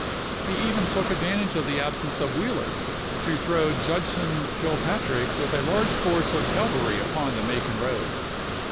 He even took advantage of the absence of Wheeler to throw Judson Kilpatrick with a large force of cavalry upon the Macon road.